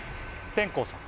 天功さん。